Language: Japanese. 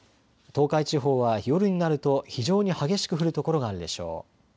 東海地方は夜になると非常に激しく降る所があるでしょう。